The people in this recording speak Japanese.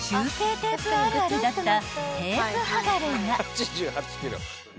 テープあるあるだったテープ剥がれが］